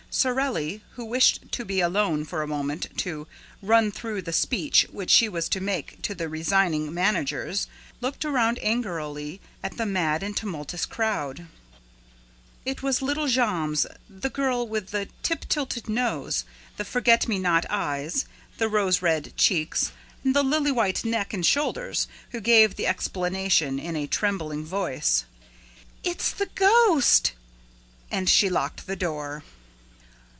Sorelli, who wished to be alone for a moment to "run through" the speech which she was to make to the resigning managers, looked around angrily at the mad and tumultuous crowd. It was little Jammes the girl with the tip tilted nose, the forget me not eyes, the rose red cheeks and the lily white neck and shoulders who gave the explanation in a trembling voice: "It's the ghost!" And she locked the door.